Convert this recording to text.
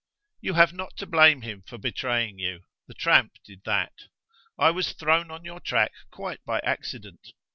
"You have not to blame him for betraying you. The tramp did that. I was thrown on your track quite by accident.